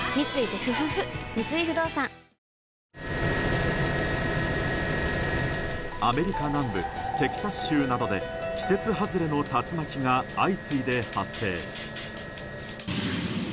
三井不動産アメリカ南部テキサス州などで季節外れの竜巻が相次いで発生。